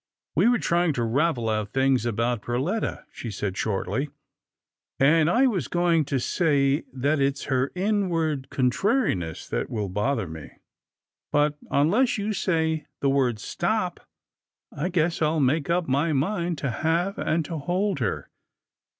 " We were trying to ravel out things about Per letta," she said shortly, " and I was going to say that it's her inward contrariness that will bother me ; but unless you say the word * Stop !' I guess I'll make up my mind to have and to hold her.